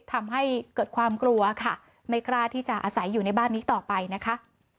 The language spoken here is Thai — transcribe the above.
ทำให้เกิดความกลัวค่ะไม่กล้าที่จะอาศัยอยู่ในบ้านนี้ต่อไปนะคะ